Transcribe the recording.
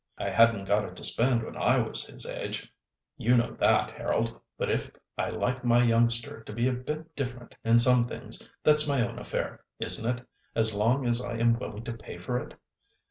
I hadn't got it to spend when I was his age—you know that, Harold; but if I like my youngster to be a bit different in some things, that's my own affair, isn't it, as long as I am willing to pay for it?